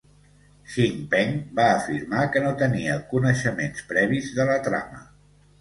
Chin Peng va afirmar que no tenia coneixements previs de la trama.